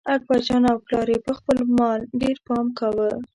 اکبرجان او پلار یې په خپل مال ډېر پام کاوه.